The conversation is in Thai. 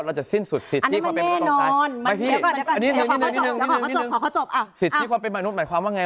เราจะสิ้นสุดสิทธิความเป็นมนุษย์ตรงใต้